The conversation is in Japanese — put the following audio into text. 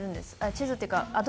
地図っていうか。